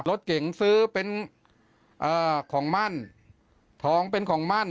รถเก๋งซื้อเป็นของมั่นทองเป็นของมั่น